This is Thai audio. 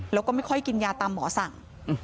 แล้วก็ไม่ค่อยกินยาตามหมอสั่ง